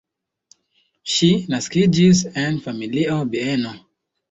Ŝi naskiĝis en familia bieno.